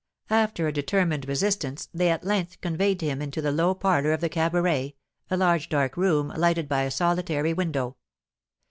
After a determined resistance they at length conveyed him into the low parlour of the cabaret, a large dark room, lighted by a solitary window.